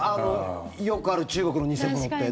よくある中国の偽物って。